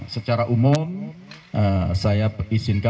secara umum saya berizinkan